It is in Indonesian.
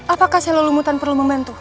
apakah sel lelumutan perlu membantu